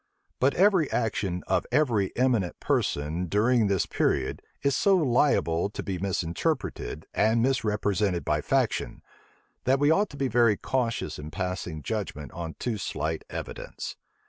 But every action of every eminent person, during this period is so liable to be misinterpreted and misrepresented by faction, that we ought to be very cautious in passing judgment on too slight evidence.